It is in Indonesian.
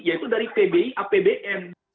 yaitu dari pbi apbn